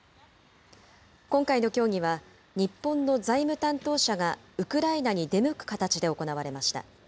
今回の協議は、日本の財務担当者がウクライナに出向く形で行われました。